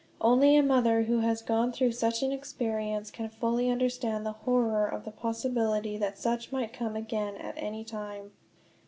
Only a mother who has gone through such an experience can fully understand the horror of the possibility that such might come again at any time.